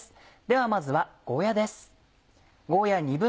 ではまずはゴーヤです。